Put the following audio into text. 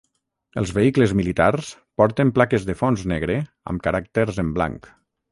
Els vehicles militars porten plaques de fons negre amb caràcters en blanc.